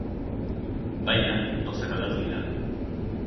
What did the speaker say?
Baina, gauzak aldatu dira.